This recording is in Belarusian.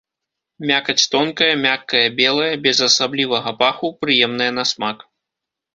Мякаць тонкая, мяккая, белая, без асаблівага паху, прыемная на смак.